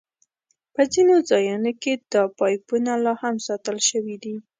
په ځینو ځایونو کې دا پایپونه لاهم ساتل شوي دي.